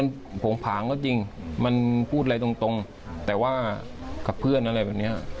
มันโผงผางก็จริงมันพูดอะไรตรงแต่ว่ากับเพื่อนอะไรแบบเนี้ย